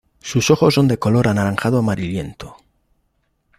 Sus ojos son de color anaranjado amarillento.